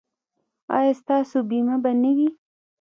ایا ستاسو بیمه به نه وي؟